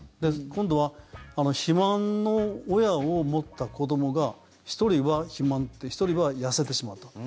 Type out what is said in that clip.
今度は肥満の親を持った子どもが１人は肥満で１人は痩せてしまうと。